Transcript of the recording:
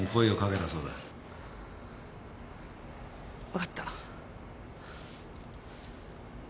わかった。